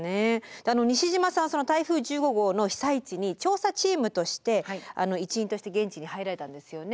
西嶋さんその台風１５号の被災地に調査チームとして一員として現地に入られたんですよね。